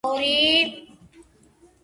დაგვრჩება ერთი და ორი.